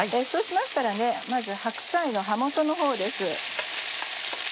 そうしましたらまず白菜の葉元のほうです。